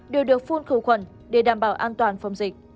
đều được phun khử khuẩn để đảm bảo an toàn phòng dịch